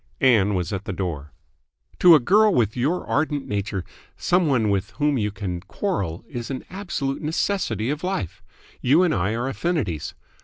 Ann was at the door. "To a girl with your ardent nature some one with whom you can quarrel is an absolute necessity of life. You and I are affinities.